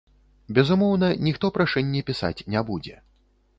Безумоўна, ніхто прашэнне пісаць не будзе.